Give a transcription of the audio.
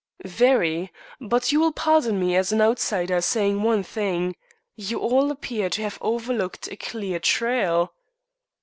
"Very; but you will pardon me, as an outsider, saying one thing you all appear to have overlooked a clear trail."